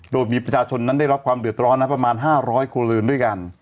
โดยมีประชาชนนั้นได้รับความเดือดร้อนนะประมาณ๕๐๐ครัวเรือนด้วยกัน